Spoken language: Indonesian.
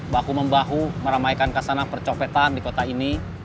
bahu membahu meramaikan kesana percopetan di kota ini